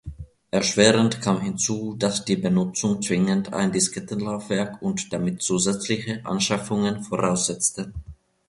Erschwerend kam hinzu, dass die Benutzung zwingend ein Diskettenlaufwerk und damit zusätzliche Anschaffungen voraussetzte.